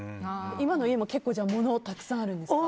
今の家も物がたくさんあるんですか？